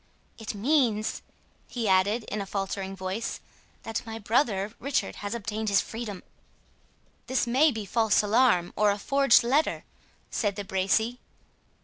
"It means," he added, in a faltering voice, "that my brother Richard has obtained his freedom." "This may be a false alarm, or a forged letter," said De Bracy.